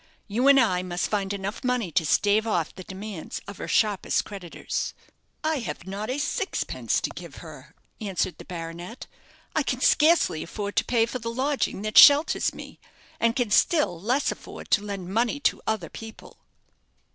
You and I must find enough money to stave off the demands of her sharpest creditors." "I have not a sixpence to give her," answered the baronet; "I can scarcely afford to pay for the lodging that shelters me, and can still less afford to lend money to other people."